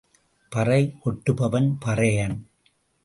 பறை கொட்டுபவன் பறையன்.